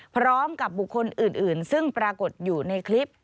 พร้อมกับบุคคลอื่นซึ่งปรากฏอยู่ในคลิป